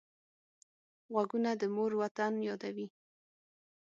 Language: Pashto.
غوږونه د مور وطن یادوي